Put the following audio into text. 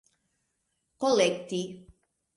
kolekti